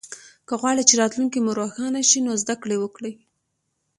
که غواړی چه راتلونکې مو روښانه شي نو زده ګړې وکړئ